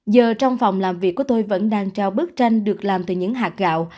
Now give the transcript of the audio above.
giờ trong phòng làm việc của tôi vẫn đang trao bức tranh được làm từ những hạt gạo